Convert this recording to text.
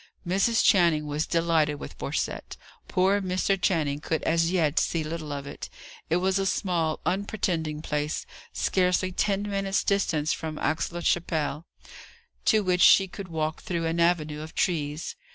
Mrs. Channing was delighted with Borcette. Poor Mr. Channing could as yet see little of it. It was a small, unpretending place, scarcely ten minutes' distance from Aix la Chapelle, to which she could walk through an avenue of trees.